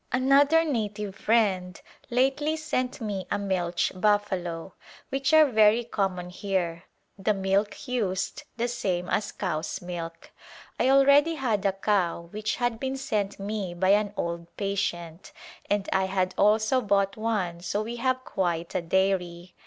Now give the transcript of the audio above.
Another native friend lately sent me a milch buffalo, which are very common here, the milk used the same as cow's milk. I already had a cow which had been sent me by an old patient, and I had also bought one so we have quite a dairy.